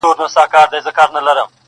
هغه اوس كډ ه وړي كا بل ته ځي.